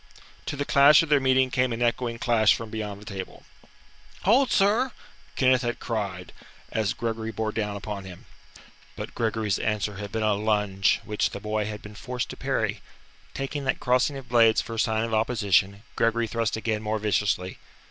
To the clash of their meeting came an echoing clash from beyond the table. "Hold, sir!" Kenneth had cried, as Gregory bore down upon him. But Gregory's answer had been a lunge which the boy had been forced to parry. Taking that crossing of blades for a sign of opposition, Gregory thrust again more viciously.